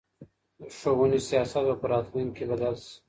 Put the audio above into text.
د ښووني سياست به په راتلونکي کي بدل سي.